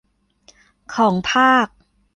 ของภาค